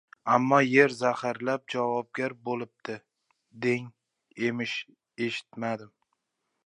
Ammo yer zaharlab javobgar bo‘libdi, degich emish eshitmadim.